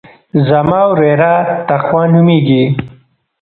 زما وريره تقوا نوميږي.